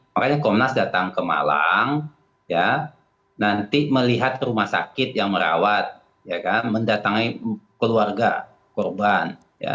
makanya komnas datang ke malang nanti melihat rumah sakit yang merawat mendatangi keluarga korban